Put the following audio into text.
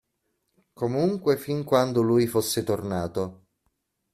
Comunque fin quando lui fosse tornato.